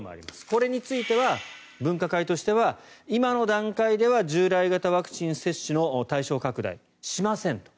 これについては分科会としては今の段階では従来型ワクチン接種の対象拡大しませんと。